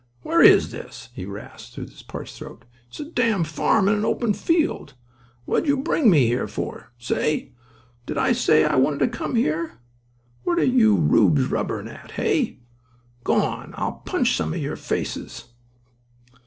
"Where is this?" he rasped through his parched throat. "It's a damn farm in an old field. What'd you bring me here for—say? Did I say I wanted to come here? What are you Reubs rubberin' at—hey? G'wan or I'll punch some of yer faces."